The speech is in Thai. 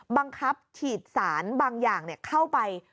บังคับฉีดสารบางอย่างเข้าไป